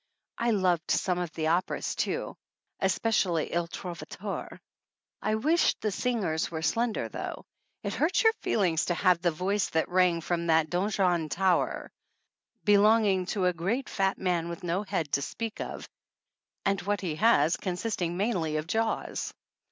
I loved some of the operas, too, especially II Trovatore. I wish the singers were slender, though. It hurts your feelings to have the " voice that rang from that donjon tower" be 37 THE ANNALS OF ANN longing to a great fat man with no head to speak of, and what he has consisting mainly of jaws.